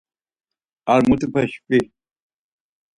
Ar mutupe şvi.